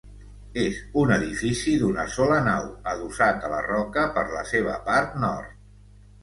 És un edifici d’una sola nau, adossat a la roca per la seva part nord.